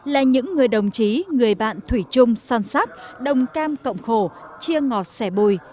là những người đồng chí người bạn thủy chung son sắc đồng cam cộng khổ chia ngọt xẻ bùi